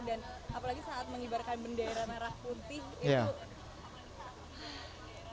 dan apalagi saat mengibarkan bendera narak putih itu